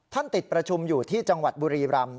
ติดประชุมอยู่ที่จังหวัดบุรีรำ